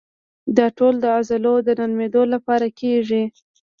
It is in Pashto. دا ټول د عضلو د نرمېدو لپاره کېږي.